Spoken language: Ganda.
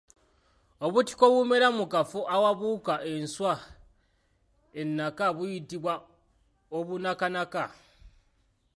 Obutiko obumera mu kafo awabuuka enswa ennaka buyitibwa obunakanaka.